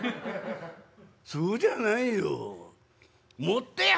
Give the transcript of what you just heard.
「そうじゃないよ。もって」。